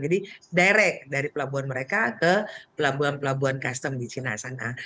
jadi direct dari pelabuhan mereka ke pelabuhan pelabuhan custom di china sana